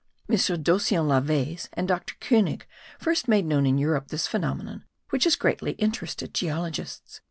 M. Dauxion Lavaysse and Dr. Koenig first made known in Europe this phenomenon which has greatly interested geologists.)